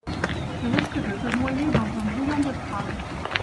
Tu risques de te noyer dans un bouillon de crabes.